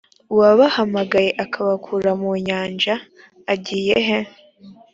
uwabahamagaye akabakura mu nyanja agiye he